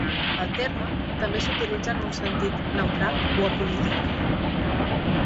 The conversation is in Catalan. El terme també s'utilitza en un sentit neutral o apolític.